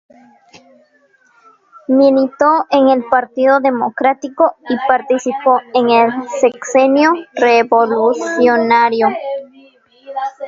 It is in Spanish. Militó en el partido democrático y participó en el Sexenio Revolucionario.